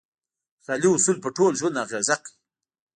خیالي اصول په ټول ژوند اغېزه کوي.